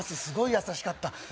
すごい優しかった